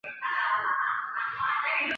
黄巢领导的农民起义军陷桂州。